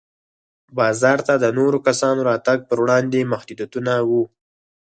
بازار ته د نورو کسانو راتګ پر وړاندې محدودیتونه وو.